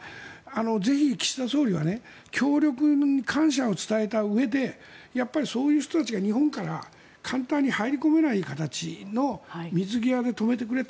ぜひ岸田総理は協力に感謝を伝えたうえでそういう人たちが日本から簡単に入り込めない形の水際で止めてくれと。